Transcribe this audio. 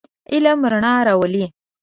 علم رڼا راولئ.